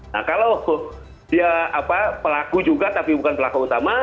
nah kalau dia pelaku juga tapi bukan pelaku utama